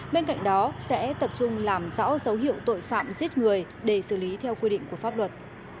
bên cạnh đó sẽ tập trung làm rõ dấu hiệu tội phạm giết người để xử lý theo quy định của pháp luật